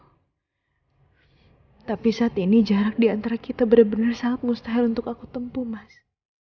hai tapi saat ini jarak diantara kita bener bener sangat mustahil untuk aku tempuh mas